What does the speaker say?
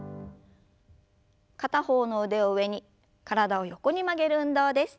片方の腕を上に体を横に曲げる運動です。